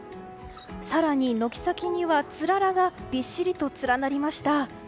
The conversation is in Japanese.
更に軒先には、つららがびっしりと連なりました。